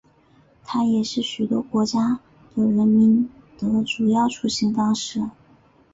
它也是许多国家的人们的主要出行方式。